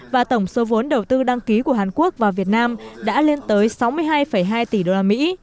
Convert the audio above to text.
và tổng số vốn đầu tư đăng ký của hàn quốc vào việt nam đã lên tới sáu mươi hai hai tỷ đô la mỹ